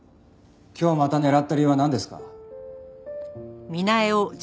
今日また狙った理由はなんですか？